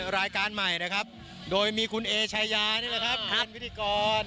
รายการใหม่นะครับโดยมีคุณเอชายานี่แหละครับท่านพิธีกร